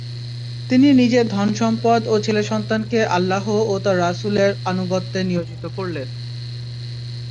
তিনি নিজের ধনসম্পদ ও ছেলেসন্তানকে আল্লাহ ও তাঁর রাসূলের আনুগত্যে নিয়োজিত করলেন।